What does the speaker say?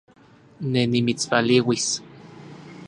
Ne nimitspaleuis